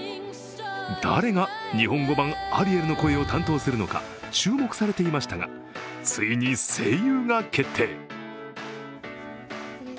誰が日本語版アリエルの声を担当するのか注目されていましたがついに、声優が決定。